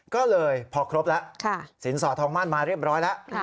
ก็เลยพอครบแล้วสินสอดทองมั่นมาเรียบร้อยแล้ว